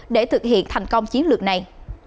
để thực hiện thành công chiến lược này